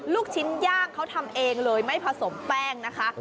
ลูกชิ้นย่างเขาทำเองเลยไม่ผสมแป้งนะคะ